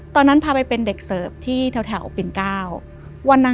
ตอนนั้นพาไปเป็นเด็กเสิร์ฟที่แถวปิ่นเก้าวันนั้น